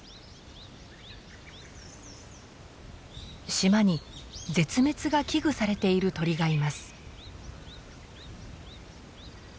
島に絶滅が危惧されている鳥がいます。